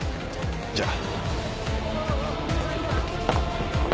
じゃあ。